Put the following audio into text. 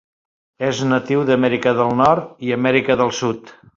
És natiu d'Amèrica del Nord i Amèrica del Sud.